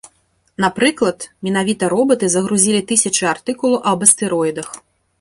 Напрыклад, менавіта робаты загрузілі тысячы артыкулаў аб астэроідах.